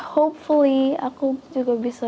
hopefully aku juga bisa